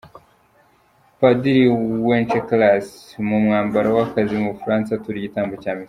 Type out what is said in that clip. Padiri Wencekalas mu mwambaro w’akazi mu Bufaransa atura igitambo cya misa.